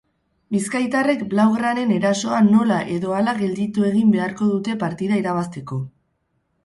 Bizkaitarrek blaugranen erasoa nola edo hala gelditu egin beharko dute partida irabazteko.